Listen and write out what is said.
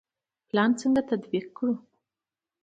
پلان څنګه تطبیق کړو؟